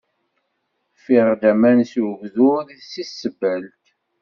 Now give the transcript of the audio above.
Ffiɣ-d aman s ugdur si tsebbalt.